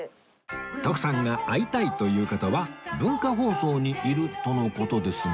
徳さんが会いたいという方は文化放送にいるとの事ですが